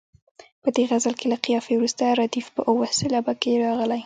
په دې غزل کې له قافیې وروسته ردیف په اوه سېلابه کې راغلی.